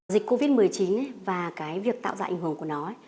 dịch covid một mươi chín và cái việc tạo ra ảnh hưởng của nó